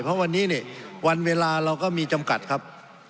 เพราะวันนี้เนี่ยวันเวลาเราก็มีจำกัดครับ